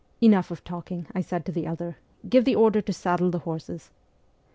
' Enough of talking,' I said to the elder ;' give the order to saddle the horses.'